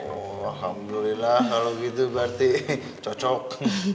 oh alhamdulillah kalau gitu berarti cocok